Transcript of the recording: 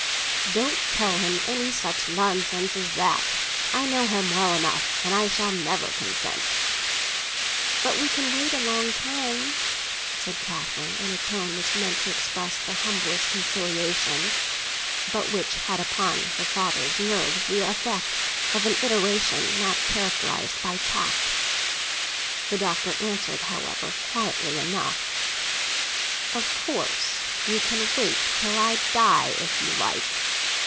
"Don't tell him any such nonsense as that. I know him well enough, and I shall never consent." "But we can wait a long time," said poor Catherine, in a tone which was meant to express the humblest conciliation, but which had upon her father's nerves the effect of an iteration not characterised by tact. The Doctor answered, however, quietly enough: "Of course you can wait till I die, if you like."